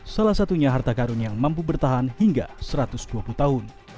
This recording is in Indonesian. salah satunya harta karun yang mampu bertahan hingga satu ratus dua puluh tahun